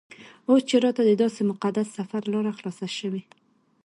اوس چې راته دداسې مقدس سفر لاره خلاصه شوې.